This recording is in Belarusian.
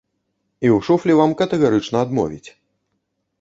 І ў шуфлі вам катэгарычна адмовіць.